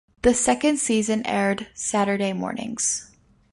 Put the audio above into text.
The second season aired Saturday mornings.